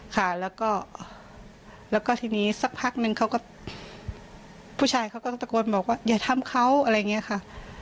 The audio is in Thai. ค่ะแล้วก็ทีนี้สักพักนึงเขาก็ผู้ชายเขาก็ตะโกนบอกว่าอย่าทำเขาอะไรอย่างนี้ค่ะ